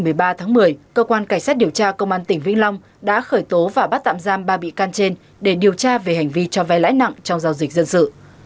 ngày một mươi ba tháng một mươi cơ quan cảnh sát điều tra công an tỉnh vĩnh long đã khởi tố và bắt tạm giam ba bị can trên để điều tra về hành vi cho vay lãi nặng trong giao dịch dân sự